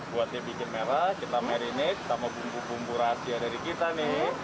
buatnya bikin merah kita marrinage sama bumbu bumbu rahasia dari kita nih